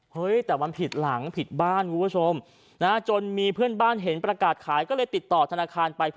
เฮ้ยแต่มันผิดหลังผิดบ้านคุณผู้ชมนะจนมีเพื่อนบ้านเห็นประกาศขายก็เลยติดต่อธนาคารไป